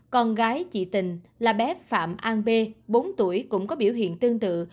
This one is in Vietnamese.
con gái chị tình là bé phạm an b bốn tuổi cũng có biểu hiện tương tự